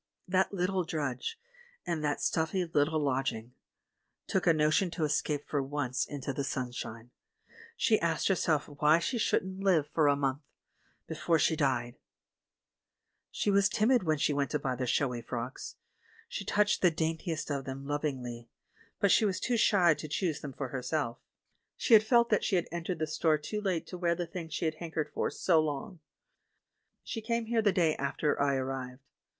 That little drudge, in that little stuffy lodging, took a notion to escape for once into the sunshine; she asked herself why she shouldn't live for a month — before she died !.... "She was timid when she went to buy the showy frocks; she touched the daintiest of them lovingly, but she was shy to choose them for hcT^ THE WO^IAN WHO WISHED TO DIE 47 self. She felt that she had entered the store too late to wear the things she had hankered for so long. She came here the day after I arrived.